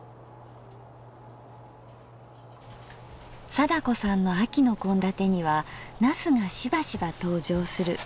貞子さんの秋の献立には茄子がしばしば登場する。